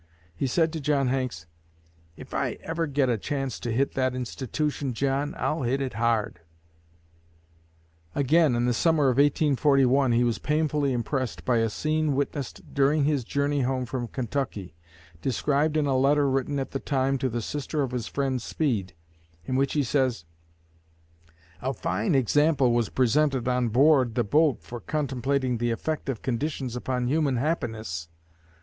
He said to John Hanks, "If I ever get a chance to hit that institution, John, I'll hit it hard!" Again, in the summer of 1841, he was painfully impressed by a scene witnessed during his journey home from Kentucky, described in a letter written at the time to the sister of his friend Speed, in which he says: "A fine example was presented on board the boat for contemplating the effect of conditions upon human happiness.